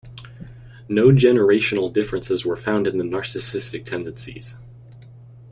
No generational differences were found in the narcissistic tendencies.